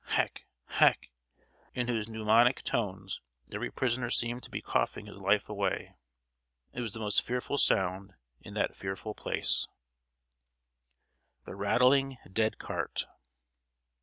hack! hack! in whose pneumonic tones every prisoner seemed to be coughing his life away. It was the most fearful sound in that fearful place. [Sidenote: THE RATTLING DEAD CART.